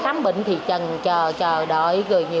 khám bệnh cũng mà sốt rắn rồi lắm